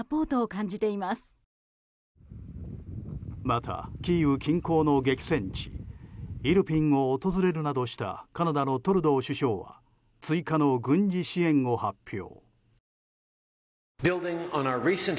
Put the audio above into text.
またキーウ近郊の激戦地イルピンを訪れるなどしたカナダのトルドー首相は追加の軍事支援を発表。